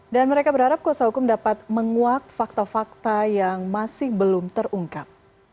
dan mereka berharap kosa hukum dapat menguak fakta fakta yang masih belum terungkap